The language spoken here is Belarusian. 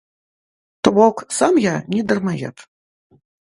То бок сам я не дармаед.